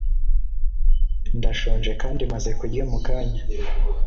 ndashonje kandi maze kurya mukanya